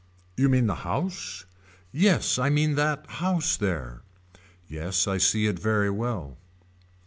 You mean the house. Yes I mean that house there. Yes I see it very well.